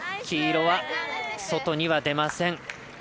黄色は外には出ません。